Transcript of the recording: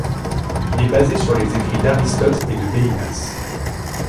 Il est basé sur les écrits d'Aristote et de Belinas.